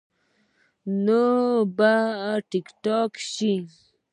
نو بالکل به ټيک ټاک شي -